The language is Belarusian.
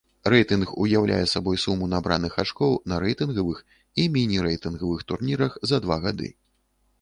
Рэйтынг уяўляе сабой суму набраных ачкоў на рэйтынгавых і міні-рэйтынгавых турнірах за два гады.